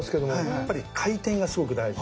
やっぱり回転がすごく大事。